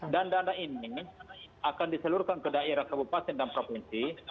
dan dana ini akan diseluruhkan ke daerah kabupaten dan provinsi